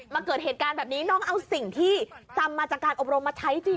เกิดเหตุการณ์แบบนี้น้องเอาสิ่งที่จำมาจากการอบรมมาใช้จริง